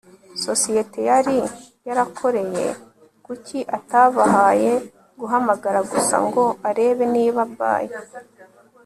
sosiyete yari yarakoreye. kuki atabahaye guhamagara gusa ngo arebe niba by